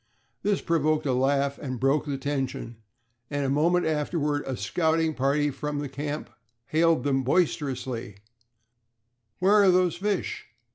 This provoked a laugh and broke the tension, and a moment afterward a scouting party from the camp hailed them boisterously: "Where are those fish?"